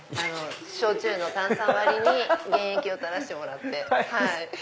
焼酎の炭酸割りに原液を垂らしてもらって。